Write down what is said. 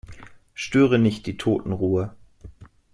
Störe nicht die Totenruhe.